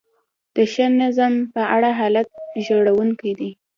د ښه نظم په اړه حالت ژړونکی دی.